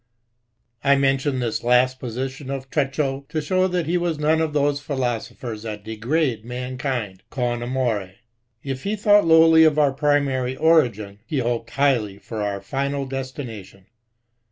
I mention this last position of Treschow to show that he was none of those philosophers that degrade mankind con amove. If he thought lowly of our primary origin, he hoped highly of our filial destination.